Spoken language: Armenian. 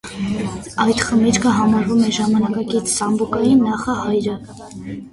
Այդ խմիչքը համարվում է ժամանակակից սամբուկայի նախահայրը։